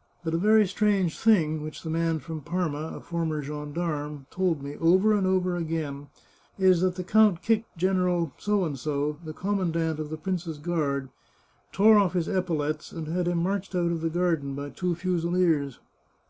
" But a very strange thing, which the man from Parma, a former gendarme, told me, over and over again, is that the count kicked General P , the commandant of the prince's guard, tore off his epaulettes, and had him marched out of the garden by two fusileers."